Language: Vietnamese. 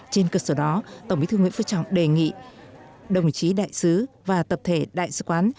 trên cơ sở đó tổng bí thư nguyễn phú trọng đề nghị đồng chí đại sứ và tập thể đại sứ quán